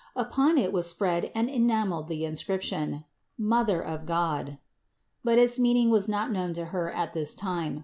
Upon it was spread and enameled the inscription: Mother of God; but its meaning was not known to Her at this time.